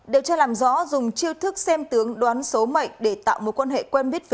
điều tra làm rõ dùng chiêu thức xem tướng đoán số mệnh để tạo một quan hệ quen biết